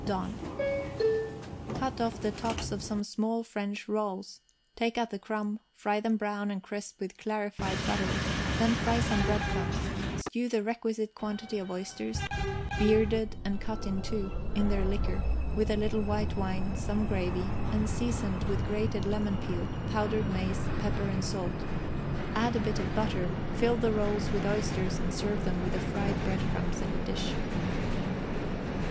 DONNE. Cut off the tops of some small French rolls, take out the crumb, fry them brown and crisp with clarified butter, then fry some breadcrumbs; stew the requisite quantity of oysters, bearded and cut in two, in their liquor, with a little white wine, some gravy, and seasoned with grated lemon peel, powdered mace, pepper and salt; add a bit of butter, fill the rolls with oysters, and serve them with the fried breadcrumbs in a dish.